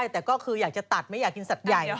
แต่ก็คืออยากจะตัดไม่อยากกินสัตว์ใหญ่